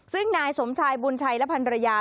ซึ่งนายสมชายบุญชัยและพันรยา